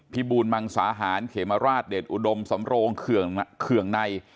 พิบูรณ์มังสาหารเขมาราชเดชอุดมสำรงเขื่องใน